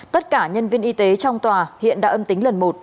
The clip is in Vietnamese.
tất cả nhân viên y tế trong tòa hiện đã âm tính lần một